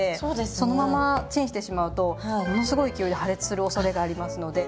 そのままチンしてしまうとものすごい勢いで破裂するおそれがありますので。